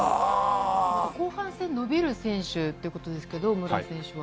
後半戦伸びる選手ということですけど、武良選手は。